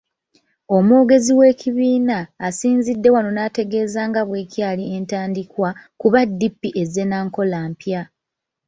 Omwogezi w'ekibiina, asinzidde wano n'ategeeza nga bw'ekyali entandikwa kuba DP ezze na nkola mpya.